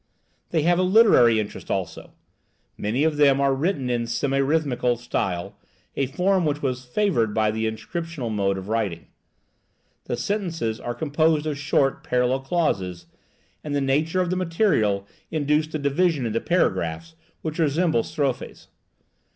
They have a literary interest also. Many of them are written in semi rhythmical style, a form which was favored by the inscriptional mode of writing. The sentences are composed of short parallel clauses, and the nature of the material induced a division into paragraphs which resemble strophes.